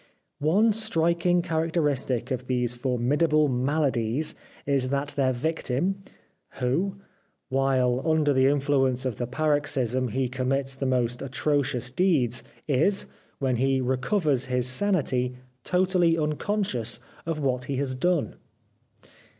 One striking characteristic of these formidable maladies is that their victim, who, while under the influence of the paroxysm he commits the most atrocious deeds, is, when he recovers his sanity, totally unconscious of what he has done.